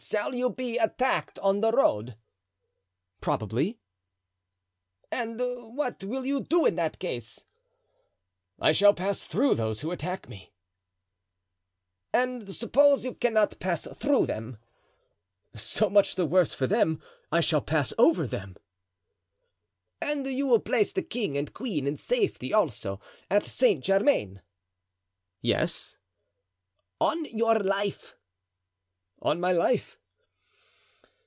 "Shall you be attacked on the road?" "Probably." "And what will you do in that case?" "I shall pass through those who attack me." "And suppose you cannot pass through them?" "So much the worse for them; I shall pass over them." "And you will place the king and queen in safety also, at Saint Germain?" "Yes." "On your life?" "On my life."